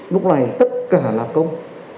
lúc này tất cả là công